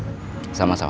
iya sampai saatnya